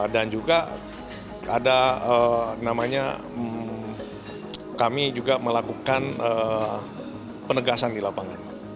dan juga ada namanya kami juga melakukan penegasan di lapangan